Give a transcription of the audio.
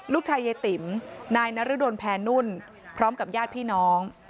ลูกชายเยติมนายนรดลแผนนุ่นพร้อมกับญาติพี่น้อง